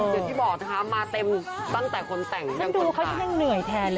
อย่างที่บอกนะคะมาเต็มตั้งแต่คนแต่งฉันดูเขายังเหนื่อยแทนเลย